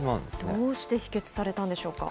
どうして否決されたんでしょうか。